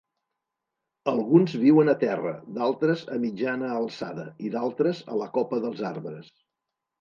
Alguns viuen a terra, d'altres a mitjana alçada i d'altres a la copa dels arbres.